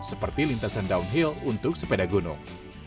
seperti lintasan downhill untuk sepeda gunung